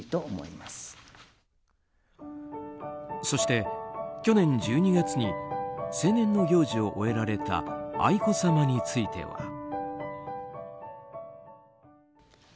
そして、去年１２月に成年の行事を終えられた愛子さまについては。